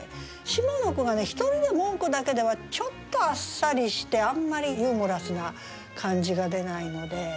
下の句がね「一人で文句」だけではちょっとあっさりしてあんまりユーモラスな感じが出ないので。